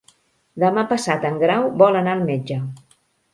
Demà passat en Grau vol anar al metge.